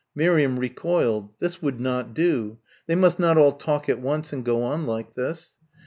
Miriam recoiled. This would not do they must not all talk at once and go on like this.